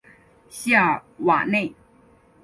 西尔瓦内。